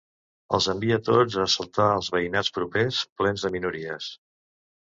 Els envia tots a assaltar els veïnats propers plens de minories.